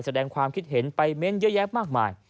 แสดงความคิดเห็นไปเม้นต์เยอะแยะมากมาย